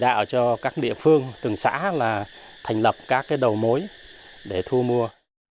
để tạo cho các địa phương từng xã là thành lập các đầu mối để thu mua